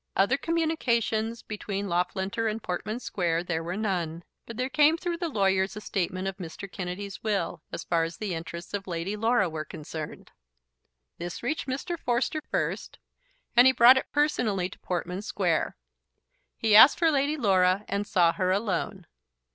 Other communications between Loughlinter and Portman Square there were none, but there came through the lawyers a statement of Mr. Kennedy's will, as far as the interests of Lady Laura were concerned. This reached Mr. Forster first, and he brought it personally to Portman Square. He asked for Lady Laura, and saw her alone.